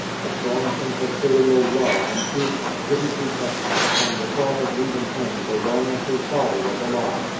A strong sense of filial love and duty had hitherto kept him from the thought of leaving home so long as his father was alive.